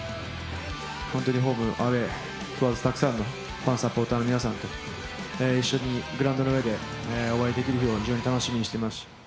ホントにホームアウェー問わずたくさんのファンサポーターの皆さんと一緒にグラウンドの上でお会いできる日を非常に楽しみにしてます。